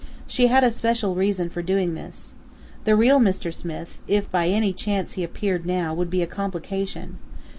She had a special reason for doing this. The real Mr. Smith, if by any chance he appeared now, would be a complication.